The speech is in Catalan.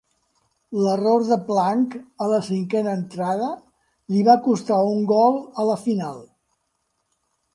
L"error de Plank a la cinquena entrada li va costar un gol a la final.